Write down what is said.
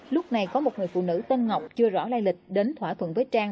lúc này có một người phụ nữ tên ngọc chưa rõ lai lịch đến thỏa thuận với trang